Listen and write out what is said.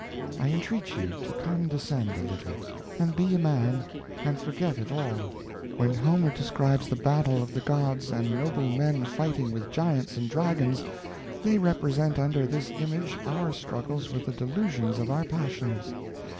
I entreat you to condescend a little, and be a man, and forget it all. When Homer describes the battle of the gods and noble men fighting with giants and dragons, they represent under this image our struggles with the delusions of our passions.